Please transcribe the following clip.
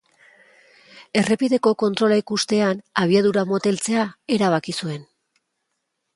Errepideko kontrola ikustean abiadura moteltzea erabaki zuen.